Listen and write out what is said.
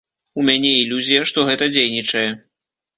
У мяне ілюзія, што гэта дзейнічае.